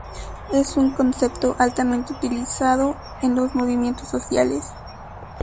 Es un concepto altamente utilizado en los movimientos sociales.